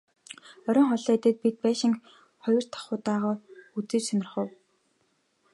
Оройн хоолоо идээд бид байшинг хоёр дахь удаагаа үзэж сонирхов.